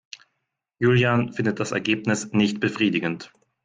Julian findet das Ergebnis nicht befriedigend.